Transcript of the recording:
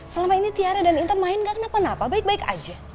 selama ini tiara dan intan main gak kenapa napa baik baik aja